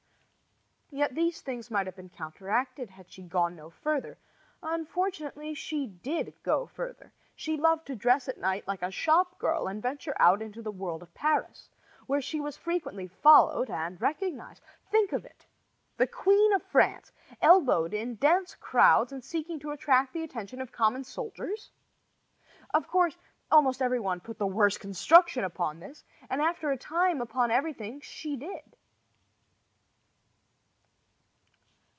Yet these things might have been counteracted had she gone no further. Unfortunately, she did go further. She loved to dress at night like a shop girl and venture out into the world of Paris, where she was frequently followed and recognized. Think of it the Queen of France, elbowed in dense crowds and seeking to attract the attention of common soldiers! Of course, almost every one put the worst construction upon this, and after a time upon everything she did.